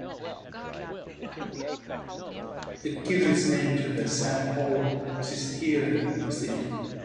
It gives its name to the San Polo sestiere of the city.